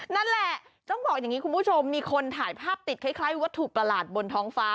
นั่นแหละต้องบอกอย่างนี้คุณผู้ชมมีคนถ่ายภาพติดคล้ายวัตถุประหลาดบนท้องฟ้า